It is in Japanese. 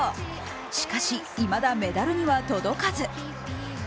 しかし、いまだメダルには届かず。